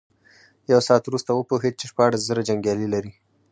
يو ساعت وروسته وپوهېد چې شپاړس زره جنيګالي لري.